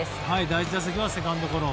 第１打席はセカンドゴロ。